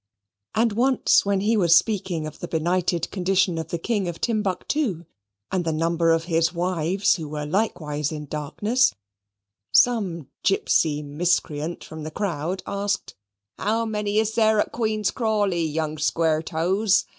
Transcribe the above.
And once when he was speaking of the benighted condition of the king of Timbuctoo, and the number of his wives who were likewise in darkness, some gipsy miscreant from the crowd asked, "How many is there at Queen's Crawley, Young Squaretoes?"